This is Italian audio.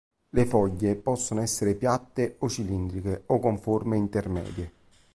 Le foglie possono essere piatte o cilindriche o con forme intermedie.